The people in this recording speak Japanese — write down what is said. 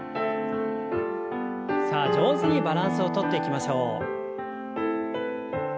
さあ上手にバランスをとっていきましょう。